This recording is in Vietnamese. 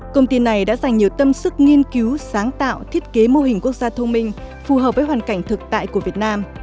công ty này đã dành nhiều tâm sức nghiên cứu sáng tạo thiết kế mô hình quốc gia thông minh phù hợp với hoàn cảnh thực tại của việt nam